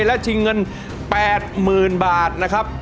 และชิงเงิน๘๐๐๐บาทนะครับ